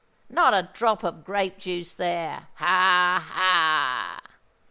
Not a drop of grape juice there. Ha! ha!